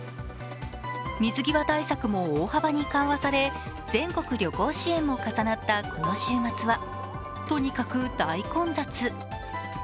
水際対策も大幅に緩和され、全国旅行支援も重なったこの週末はとにかく大混雑。